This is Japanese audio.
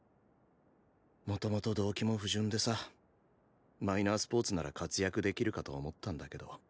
元々動機も不純でさマイナースポーツなら活躍できるかと思ったんだけど